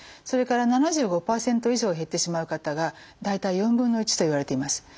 それから７５％以上減ってしまう方が大体４分の１といわれています。